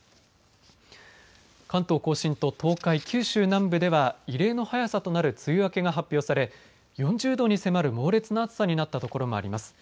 関東甲信と東海、九州南部では異例の早さとなる梅雨明けが発表され４０度に迫る猛烈な暑さになった所もあります。